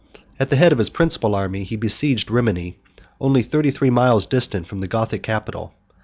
At the head of his principal army, he besieged Rimini, only thirty three miles distant from the Gothic capital.